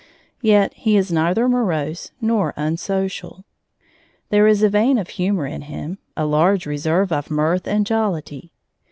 Yet he is neither morose nor unsocial. There is a vein of humor in him, a large reserve of mirth and jollity.